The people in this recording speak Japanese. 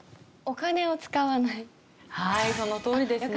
お金を使わない。